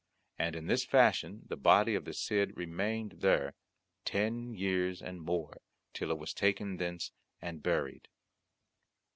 And in this fashion the body of the Cid remained there ten years and more, till it was taken thence and buried.